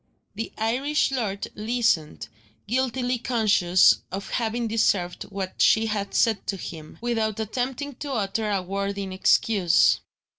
The Irish lord listened guiltily conscious of having deserved what she had said to him without attempting to utter a word in excuse.